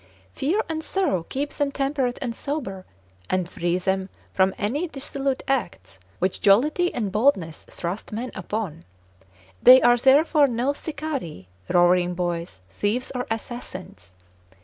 Fear and sorrow keep them temperate and sober, and free them from any dissolute acts, which jollity and boldness thrust men upon: they are therefore no sicarii, roaring boys, thieves or assassins.